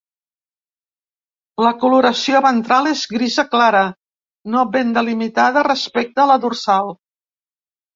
La coloració ventral és grisa clara, no ben delimitada respecte a la dorsal.